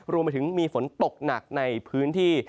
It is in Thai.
รวมไปถึงมีฝนตกหนักในพื้นที่